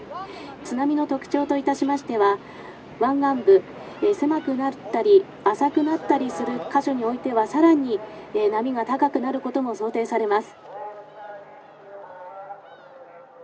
津波の特徴といたしましては湾岸部狭くなったり浅くなったりする箇所においては更に波が高くなることも想定されます」。